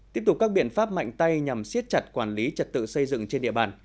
tiếp tục các biện pháp mạnh tay nhằm siết chặt quản lý trật tự xây dựng trên địa bàn